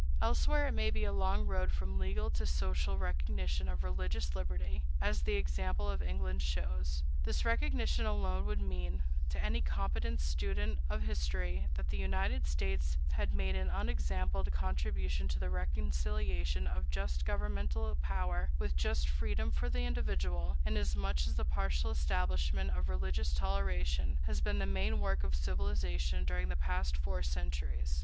Elsewhere it may be a long road from legal to social recognition of religious liberty, as the example of England shows. This recognition alone would mean, to any competent student of history, that the United States had made an unexampled contribution to the reconciliation of just governmental power with just freedom for the individual, inasmuch as the partial establishment of religious toleration has been the main work of civilization during the past four centuries.